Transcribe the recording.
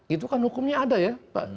itu kan hukumnya ada ya